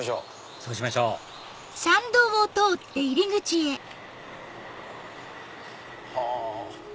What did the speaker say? そうしましょうはぁ。